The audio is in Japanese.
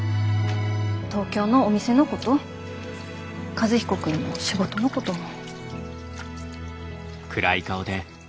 東京のお店のこと和彦君の仕事のことも。